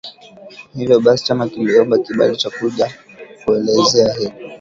hivyo basi chama kiliomba kibali cha kuja kuelezea hilo